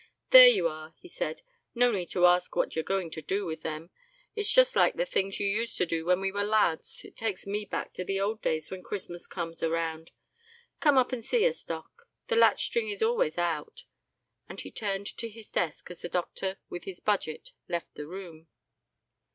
"There you are," he said. "No need to ask what you're going to do with them. It's just like the things you used to do when we were lads. It takes me back to the old days when Christmas comes around. Come up and see us, doc; the latch string is always out," and he turned to his desk, as the doctor with his budget left the room.